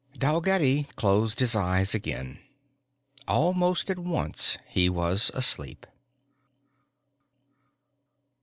Dalgetty closed his eyes again. Almost at once he was asleep.